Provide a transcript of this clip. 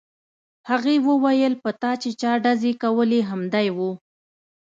هغې وویل په تا چې چا ډزې کولې همدی و